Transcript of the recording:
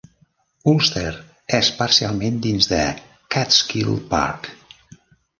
Ulster és parcialment dins de Catskill Park.